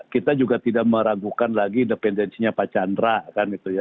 kita juga tidak meragukan lagi dependensinya pak chandra